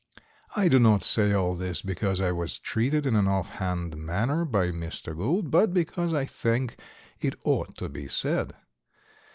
I do not say all this because I was treated in an off hand manner by Mr. Gould, but because I think it ought to be said.